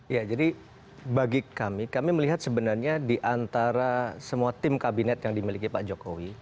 ya jadi bagi kami kami melihat sebenarnya di antara semua tim kabinet yang dimiliki pak jokowi